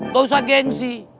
kau usah gengsi